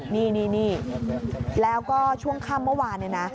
นี่แล้วก็ช่วงค่ำเมื่อวานเนี่ยนะ